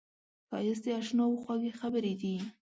ښایست د اشناوو خوږې خبرې دي